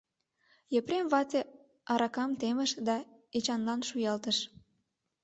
Епрем вате аракам темыш да Эчанлан шуялтыш.